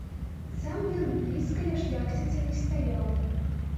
Сам ён блізка ля шляхціца не стаяў.